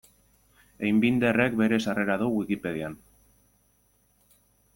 Einbinderrek bere sarrera du Wikipedian.